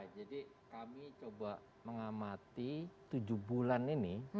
jadi kami coba mengamati tujuh bulan ini